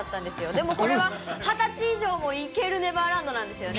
でもこれは２０歳以上も行けるネバーランドなんですよね。